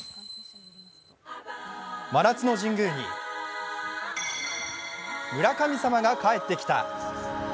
真夏の神宮に、村神様が帰ってきた。